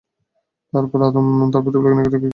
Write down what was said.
তারপর আদম তার প্রতিপালকের নিকট থেকে কিছু বাণী প্রাপ্ত হলো।